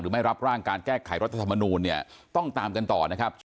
หรือไม่รับร่างการแก้ไขรัฐศพมานูต้องตามกันกันต่อ